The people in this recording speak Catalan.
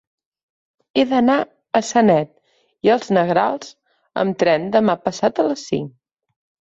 He d'anar a Sanet i els Negrals amb tren demà passat a les cinc.